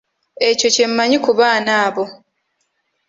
Ekyo kye mmanyi ku baana abo.